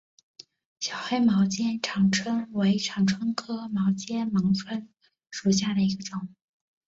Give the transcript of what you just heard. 小黑毛肩长蝽为长蝽科毛肩长蝽属下的一个种。